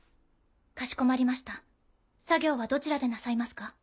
かしこまりました作業はどちらでなさいますか？